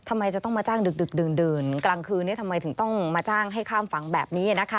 ทำไมจะต้องมาจ้างดึกดื่นกลางคืนทำไมถึงต้องมาจ้างให้ข้ามฝั่งแบบนี้นะคะ